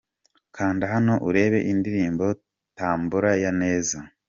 Kanda hano urebe indirimbo Tambola ya Neza:.